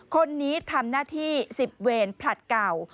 คนนี้ทำหน้าที่๑๐เวรผลัดเก่า